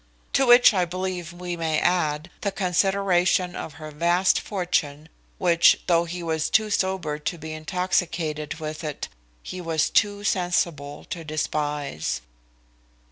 To which I believe we may add, the consideration of her vast fortune, which, though he was too sober to be intoxicated with it, he was too sensible to despise.